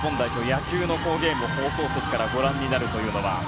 野球のゲームを放送席からご覧になるというのは。